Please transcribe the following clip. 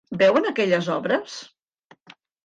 Veuen aquelles obres?